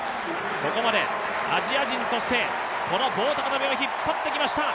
ここまでアジア人としてこの棒高跳を引っ張ってきました。